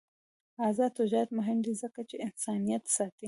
آزاد تجارت مهم دی ځکه چې انسانیت ساتي.